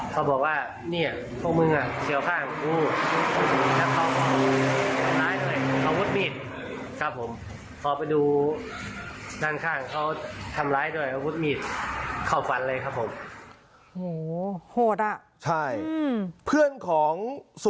เขาบอกว่าเนี่ยว่าพวกมึง